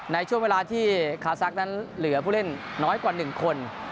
ในช่วงเวลาที่คาซักนั้นเหลือผู้เล่นน้อยกว่า๑คน